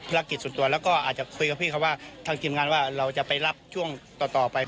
กิจส่วนตัวแล้วก็อาจจะคุยกับพี่เขาว่าทางทีมงานว่าเราจะไปรับช่วงต่อไป